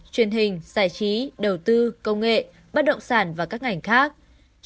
truyền hình giải trí đầu tư công nghệ bất động sản và các ngành khác